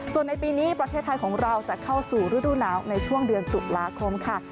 ส่วนในปีนี้ประเทศไทยของเราจะเข้าสู่ฤดูหนาวในช่วงเดือนตุลาคมค่ะ